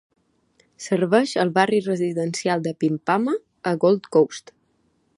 Serveix al barri residencial de Pimpama a Gold Coast.